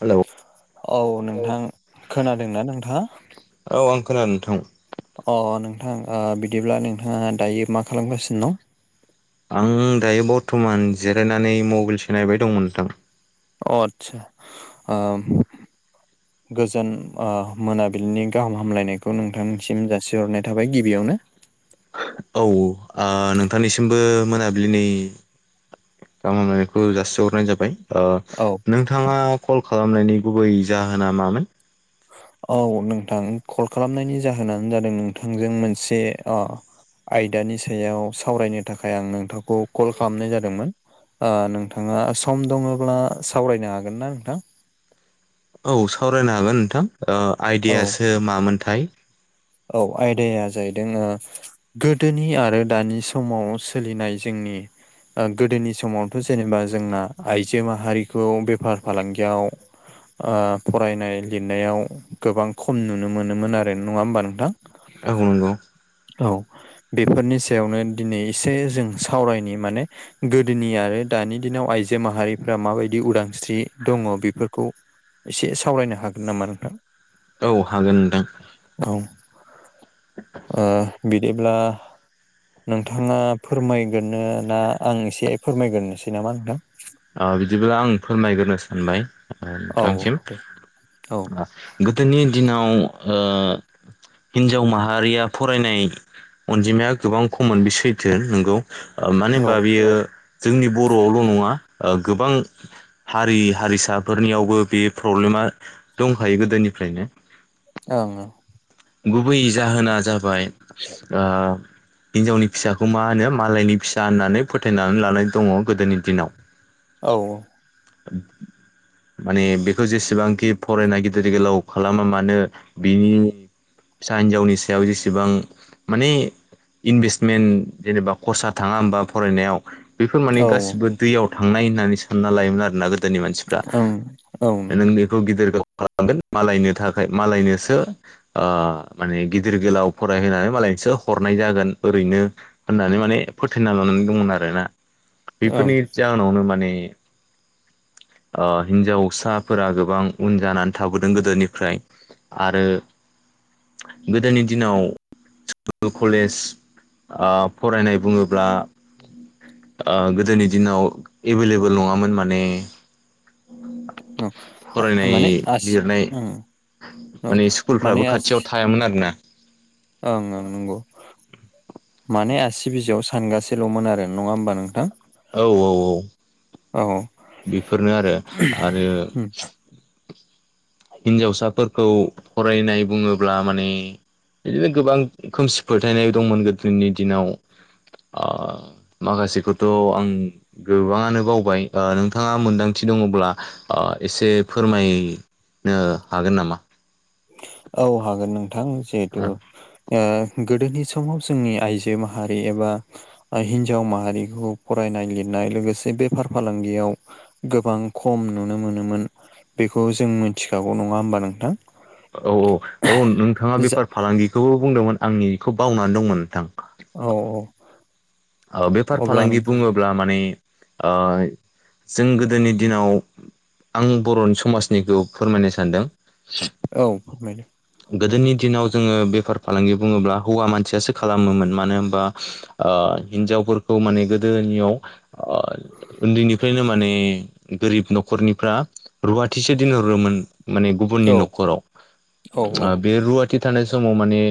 Hello. औ नोंथां। खोनादोंना नोंथाङा? औ आं खोनादों नोंथां। अ नोंथां ओ बिदिब्ला नोंथाङा दायो मा खालामगासिनो दं? आं दायो बरथमान जिरायनानै मबाइलसो नायबाय दंमोन नोंथां। अ आतसा ओम। गोजोन ओ मोनाबिलिनि गाहाम हामलायनायखौ नोंथांमोनसिम जासिहरनाय थाबाय गिबियावनो। औ ओ नोंथांनिसिमबो मोनाबिलिनि गाहाम हामलायनायखौ जासिहरनाय जाबाय। ओ औ। नोंथाङा कल खालामनायनि गुबै जाहोना मामोन? औ नोंथां कल खालामनायनि जाहोनानो जादों नोंथांजों मोनसे अ आयदानि सायाव सावरायनो थाखाय आं नोंथांखौ कल खालामनाय जादोंमोन, ओ नोंथाङा सम दङोब्ला सावरायनो हागोन ना नोंथां? औ सावरायनो हागोन नोंथां ओ औ आयदायासो मामोनथाय? औ आयदाया जाहैदों ओ गोदोनि आरो दानि समाव सोलिनाय जोंनि ओ गोदोनि समावथ' जेनेबा जोंना आइजो माहारिखौ बेफार फालांगियाव ओ फरायनाय लिरनायाव गोबां खम नुनो मोनोमोन आरो, नङा होमबा नोंथां? औ नांगौ। औ बेफोरनि सायावनो दिनै एसे जों सावरायनि माने। गोदोनि आरो दानि दिनाव आइजो माहारिफ्रा माबायदि उदांस्रि दङ बेफोरखौ एसे सावरायनो हागोन नामा नोंथां? औ हागोन नोंथां। औ ओ बिदिब्ला नोंथाङा फोरमायग्रोनो ना, आं एसे फोरमायग्रोनोसै नामा नोंथां। ओ बिदिब्ला आं फोरमायग्रोनो सानबाय नोंथांसिम औ दे औ गोदोनि दिनाव ओ हिनजाव माहारिया फरायनाय अनजिमाया गोबां खममोन बे सैथो नोंगौ। मानो औ होनबा ओं बियो जोंनि बर'आवल' नङा। ओ गोबां हारि हारिसाफोरनियावबो बे प्रब्लेमा दंखायो गोदोनिफ्रायनो। ओं। गुबै जाहोना जाबाय ओ हिनजावनि फिसाखौ मा होनो मालायनि फिसा होननानै फोथायनानै लानाय दङ' गोदोनि दिनाव। औ। माने बेखौ जेसेबांखि फरायना गिदिर गोलाव खालामा मानो बिनि फिसा हिनजावनि सायाव जेसेबां माने इनभेस्टमेन्ट जेनेबा खरसा थाङा होमबा फरायनायाव? बेफोर माने औ गासिबो दैयाव थांनाय होननानै सानना लायोमोन आरोना गो दोनि मानसिफ्रा। ओं औ नंगौ नोंनि बेखौ गिदिर गोलाव खालामगोन मालायनो थाखाय मालायनोसो ओ माने गिदिर गोलाव फरायहोनानै मालायसो हरनाय जागोन ओरैनो होननानै माने फोथायना लानानै दंमोन आरोना। ओं बेफोरनि जाहोनावनो माने ओ हिन्जावसाफोरा गोबां उन जानानै थाबोदों गोदोनिफ्राय। आरो गोदोनि दिनाव स्कुल, कलेज ओ फरायनाय बुङोब्ला ओ गोदोनि दिनाव एभेलेबेल नङामोन माने। औ फरायनाय माने आसि लिरनाय ओं औ माने स्कुलफ्राबो माने आसि खाथियाव थायामोन आरोना। ओं ओं नंगौ। माने आसि बिजौआव सानगासेल'मोन आरो, नङा होमबा नोंथां? औ औ। औ औ। बेफोरनो आरो। आरो उम हिनजावसाफोरखौ फरायनाय बुङोब्ला माने इदिनो गोबां खोमसि फोथायनाय दंमोन गोदोनि दिनाव। ओ माखासेखौथ' आं गोबाङानो बावबाय ओ नोंथाङा मोन्दांथि दङब्ला ओ एसे फोरमाय। नो हागोन नामा। औ हागोन नोंथां जिहेथु ओ ओ गोदोनि समाव जोंनि आइजो माहारि एबा हिन्जाव माहारिखौ फरायनाय लिरनाय लोगोसे बेफार फालांगियाव गोबां खम नुनो मोनोमोन बेखौ जों मिथिखागौ नङा होमबा नोंथां। औ औ औ नोंथाङा जा बेफार फालांगिखौबो बुंदोंमोन आंनिखौ बावनानै दंमोन नोंथां। औ औ ओ बेफार अब्ला फालांगि नों बुङोब्ला माने ओ जों गोदोनि दिनाव आं बर'नि समाजनिखौ फोरमायनो सानदों। औ फोरमायदो। गोदोनि दिनाव जोङो बेफार फालांगि बुङोब्ला हौवा मानसियासो खालामोमोन। मानो होनबा ओ हिनजावफोरखौ माने गोदोनियाव ओ ओन्दैनिफ्रायनो माने गोरिब न'खरनिफ्रा रुवाथिसो दोनहरोमोन माने गुबुननि न'खराव। औ ओ बे रुवाथि थानाय समाव माने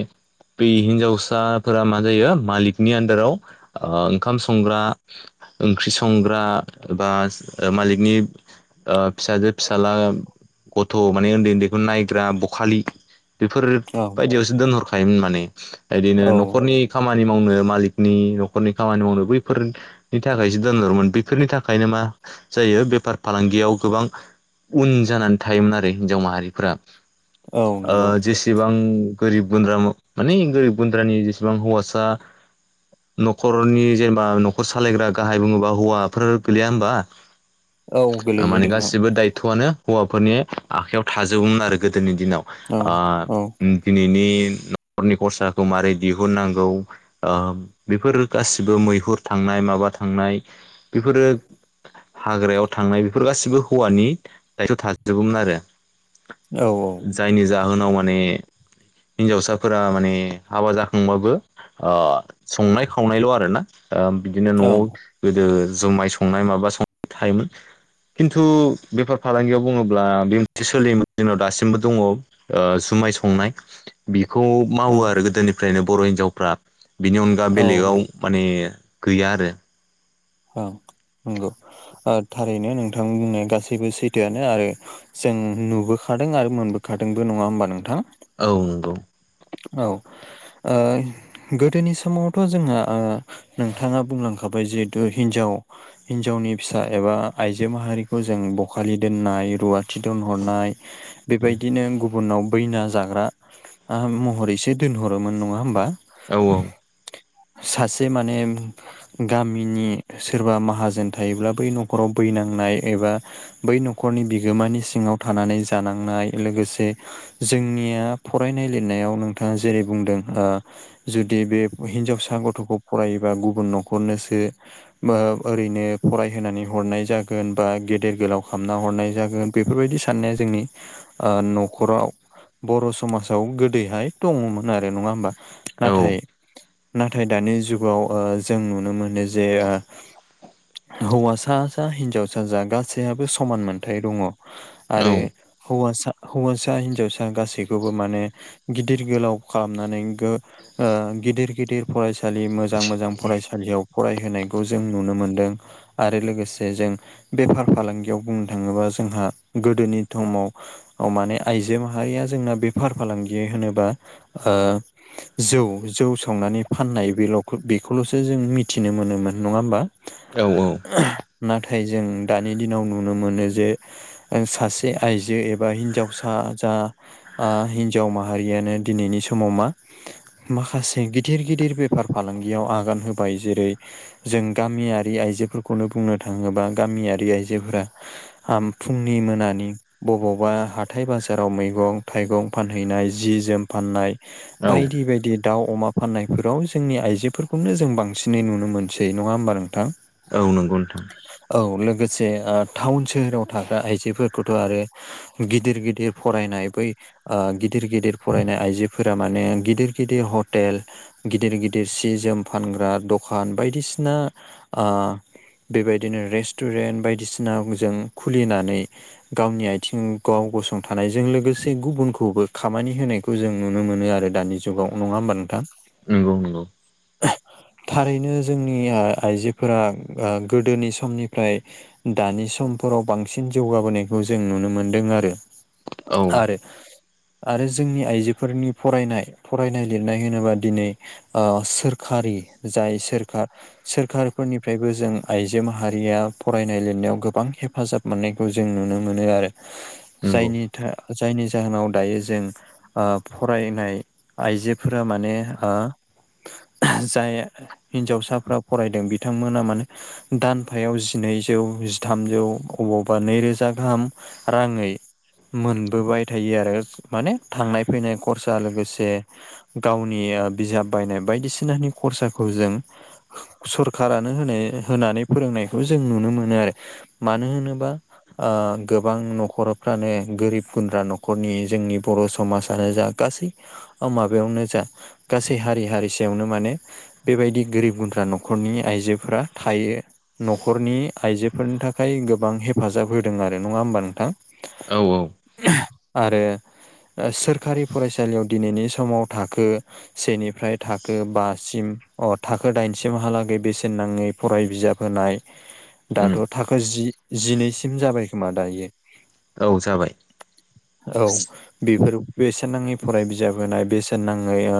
बे हिन्जावसाफोरा मा जायो मालिकनि आन्दाराव ओ ओंखाम संग्रा ओंख्रि संग्रा बा मालिकनि ओ फिसाजो फिसाला गथ' माने ओन्दै ओन्दैखौ नायग्रा बखालि बेफोर औ बायदियावसो दोनहरखायोमोन माने। इदिनो औ न'खरनि खामानि मावनो मालिकनि न'खरनि खामानि मावनो बैफोर नि थाखायसो दोनहरोमोन बेफोरनि थाखायनो मा जायो बेफार फालांगियाव गोबां उन जानानै थायोमोन आरो हिनजाव माहारिफ्रा। औ ओ नंगौ जेसेबां गोरिब गुन्द्राम मानि गोरिब गुन्द्रानि जेसेबां हौवासा न'खरनि जेनेबा न'खर सालायग्रा गाहाय बुङोब्ला हौवाफोर गैलिया होमबा औ गोलैयो माने नोंथां गासिबो दायथ'आनो हौवाफोरनि आखायाव थाजोबोमोन आरो गोदोनि दिनाव औ ओ औ दिनैनि न'खरनि खरसाखौ मारै दिहुननांगौ? ओ बेफोर गासिबो मैहुर थांनाय माबा थांनाय बेफोरो हाग्रायाव थांनाय बेफोर गासिबो हौवानि दायथ' थाजोबोमोन आरो। औ औ जायनि जाहोनाव माने हिन्जावसाफोरा माने हाबा जाखांबाबो ओ संनाय खावनायल' आरो ना ओ बिदिनो न'आव ओं गोदो जुमाय संनाय माबा संनाय थायोमोन। खिन्थु बेफार फालांगियाव बुङोब्ला बे मोनसे सोलियोमोन दिनाव दासिम। [unintelligible] ओ जुमाय संनाय बेखौ औ मावो आरो गोदोनि ओफ्रायनो बर' हिन्जावफ्रा बिनि अनगा औ बेलेगाव माने गैया आरो। औ नंगौ ओ थारैनो नोंथांनि बुंनाय गासैबो सैथोआनो आरो जों नुबोखादों आरो मोनबोखादोंबो नङा होमबा नोंथां। औ नंगौ। औ ओ गोदोनि समावथ' जोंहा ओ नोंथाङा बुंलांखाबाय जिहेतु हिनजाव हिनजावनि फिसा एबा आइजो माहारिखौ जों बखालि दोननाय रुवा थि दोनहरनाय बेबायदिनो गुबुनाव बैना जाग्रा [unintelligible] हरैसे दोनहरोमोन नङा होमबा। औ औ। सासे माने गामिनि सोरबा माहाजोन थायोब्ला बै न'खराव बैनांनाय एबा बै न'खरनि बिगोमानि सिङाव थानानै जानांनाय लोगोसे जोंनिया फरायनाय लिरनायाव नोंथाङा जेरै बुंदों ओ जुदि बे हिनजावसा गथ'खौ फरायोबा गुबुन न'खरनोसो ओ ओरैनो फरायहोनानै हरनाय जागोन बा गेदेर गोलाव खालामना हरनाय जागोन बेफोरबायदि साननाया जोंनि ओ न'खराव बर' समाजाव गोदैहाय दङमोन आरो नङा होमबा औ नाथाय नाथाय दानि जुगाव ओ जों नुनो मोनो जे ओ हौवासा जा हिनजावसा जा गासैहाबो समान मोनथाय दङ आरो औ हौवासा हौवासा हिनजावसा गासैखौबो माने गि गिदिर गोलाव खालामनानै गो ओ गिदिर गिदिर फरायसालि मोजां मोजां फरायसालियाव फरायहोनायखौ जों नुनो मोनदों आरो लोगोसे जों बेफार फालांगियाव बुंनो थाङोबा जोंहा गोदोनि तमाव माने आइजो माहारिया जोंना बेफार फालांगि होनोबा ओ जौ जौ संनानै फाननाय बेल' बेखौल'सो जों मिथिनो मोनोमोन नङा होमबा। औ औ। नाथाय जों दानि दिनाव नुनो मोनो जे सासे आइजो एबा हिन्जावसा जा ओ हिन्जाव माहारि। बेयानो दिनैनि समाव मा माखासे गिदिर गिदिर बेफार फालांगियाव आगान होबाय जेरै जों गामियारि आइजोफोरखौनो बुंनो थाङोबा गामियारि आइजोफोरा फुंनि मोनानि बबावबा हाथाय बाजाराव मैगं थाइगं फानहैनाय। जि जोम फाननाय औ बायदि बायदि दाउ अमा फाननायफोराव जोंनि आइजोफोरखौनो जों बांसिनै नुनो मोनसै नङा होमबा नोंथां। औ नंगौ नोंथां। औ लोगोसे ओ टाउन सोहोराव थाग्रा आइजोफोरखौथ' आरो गिदिर गिदिर फरायनाय बै ओ गि दिर गिदिर फरायनाय आइजोफोरा माने गिदिर गिदिर हटेल गिदिर गिदिर सि जोम फानग्रा दखान बायदिसिना ओ बेबायदिनो रेस्टुरेन्ट बायदिसिना जों खुलिनानै गावनि आथिं गाव गसंथानायजों लोगोसे गुबुनखौबो खामानि होनायखौ जों नुनो मोनो आरो, दानि जुगाव नङा होमबा नोंथां? नंगौ नंगौ। [unintelligible] थारैनो जोंनि आइजोफोरा ओ गोदोनि समनिफ्राय दानि समफोराव बांसिन जौगाबोनायखौ जों नुनो मोन्दों आरो। औ। आरो आरो जोंनि आइजोफोरनि फरायनाय फरायनाय लिरनाय होनोब्ला दिनै ओ सोरखारि जाय सोरखा सोरखारफोरनिफ्रायबो जों आइजो माहारिया फरायनाय लिरनायाव गोबां हेफाजाब मोननायखौ जों नुनो मोनो आरो, नंगौ जायनि था जायनि जाहोनाव दायो जों ओ फरायनाय आइजोफोरा माने हो जाय हिन्जावसाफ्रा फरायदों बिथांमोना माने दानफायाव जिनैजौ जिथामजौ अबावबा नैरोजा गाहाम राङै मोनबोबाय थायो आरो। माने थांनाय फैनाय खरसा लोगोसे गावनिया बिजाब बायनाय बायदिसिनानि खरसाखौ जों सरखारानो होनो होनानै फोरोंनायखौ जों नुनो मोनो आरो। मानो होनोबा ओ गोबां न'खरफ्रानो गोरिब गुन्द्रा न'खरनि जोंनि बर' समाजानो जा गासै ओ माबायावनो जा गासै हारि हारिसायावनो माने बेबायदि गोरिब गुन्द्रा न'खरनि आइजोफोरा थायो। न'खरनि आइजोफोरनि थाखाय गोबां हेफाजाब होदों आरो नङा होमबा नोंथां? औ औ। आरो ओ सोरखारि फरायसालियाव दिनैनि समाव थाखो सेनिफ्राय थाखो बासिम अ थाखो दाइनसिमहालागै बेसेन नाङै फराय बिजाब होनाय उम दाथ' थाखो जि, जिनैसिम जाबाय खोमा दायो। औ जाबाय। औ बेफोर बेसेन नाङै फराय बिजाब होनाय बेसेन नाङै ओ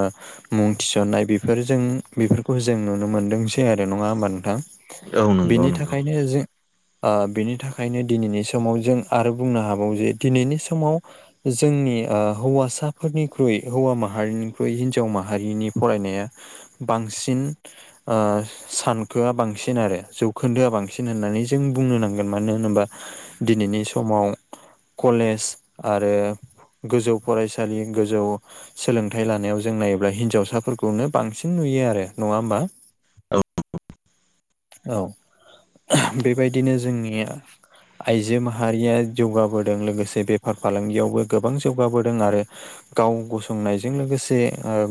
मुं थिसन्नाय बेफोरजों बेफोरखौ जों नुनो मोनदोंसै आरो नङा होमबा नोंथां? औ नंगौ बेनि नंगौ थाखायनो जों ओ बेनि थाखायनो दिनैनि समाव जों आरो बुंनो हाबावो जे दिनैनि समाव जोंनि ओ हौवासाफोरनिख्रुइ हौवा माहारिनिख्रुइ हिनजाव माहारिनि फरायनाया बांसिन ओ सानखोआ बांसिन आरो जौखोन्दोआ बांसिन होननानै जों बुंनो नांगोन मानो होनोबा दिनैनि समाव कलेज आरो गोजौ फरायसालि गोजौ सोलोंथाइ लानायाव जों नायोब्ला हिनजावसाफोरखौनो बांसिन नुयो आरो नङा होमबा औ [unintelligible] बेबायदिनो जोंनिया आइजो माहारिया जौगाबोदों लोगोसे बेफार फालांगियावबो गोबां जौगाबोदों आरो गाव गसंनायजों लोगोसे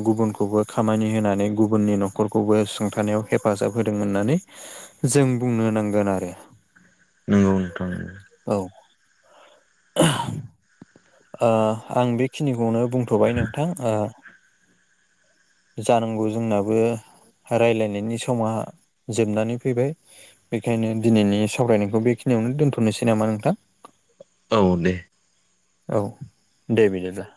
गुबुनखौबो खामानि होनानै गुबुननि न' खरखौबो सुंथानायाव हेफाजाब होदों होननानै जों बुंनो नांगोन आरो। नंगौ नोंथां औ आं बेखिनिखौनो बुंथ'बाय नोंथां जानांगौ जोंनाबो रायलायनायनि समा जोबनानै फैबाय। बेखायनो दिनैनि सावरायनायखौ बेखिनियावनो दोनथ'नोसै नामा नोंथां? औ दे। औ दे बिदिब्ला